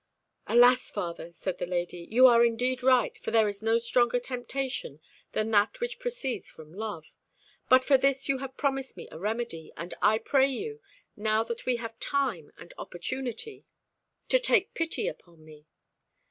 "Alas, father," said the lady, "you are indeed right, for there is no stronger temptation than that which proceeds from love. But for this you have promised me a remedy; and I pray you, now that we have time and opportunity, to take pity upon me."